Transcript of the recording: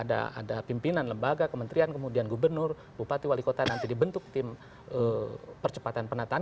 ada pimpinan lembaga kementerian kemudian gubernur bupati wali kota nanti dibentuk tim percepatan penataan